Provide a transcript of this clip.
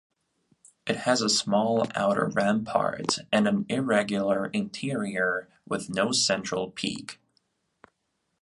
It has a small outer rampart and an irregular interior with no central peak.